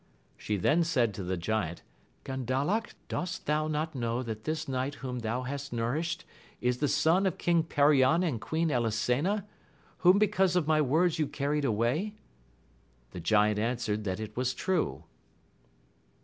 She then said to the Giant, Gandalac, dost thou not know that this knight whom thou hast nourished is the son of King Perion and Queen Elisena, whom because of my words you carried away ? The giant answered that it was true.